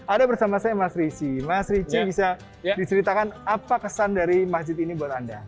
ada bersama saya mas rizky mas rici bisa diceritakan apa kesan dari masjid ini buat anda